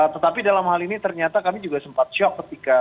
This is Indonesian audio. tetapi dalam hal ini ternyata kami juga sempat syok ketika